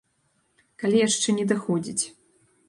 Калі яшчэ не даходзіць.